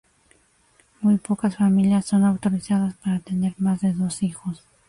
Muy pocas familias son autorizadas para tener más de dos hijos.